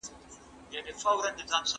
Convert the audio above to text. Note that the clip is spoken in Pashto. ډېر لوړ ږغ پاڼه ړنګه کړې وه.